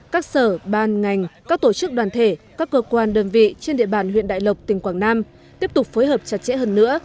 các sở ban ngành các tổ chức đoàn thể các cơ quan đơn vị trên địa bàn huyện đại lộc tỉnh quảng nam tiếp tục phối hợp chặt chẽ hơn nữa